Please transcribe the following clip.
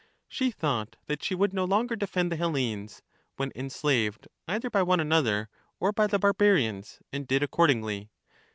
She thought that she would no longer defend the Hellenes, when enslaved either by one another or by the barbarians, and did accordingly.